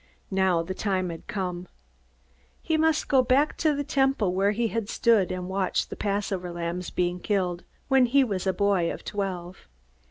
Now the time had come. He must go back to the Temple, where he had stood and watched the Passover lambs being killed when he was a boy of twelve.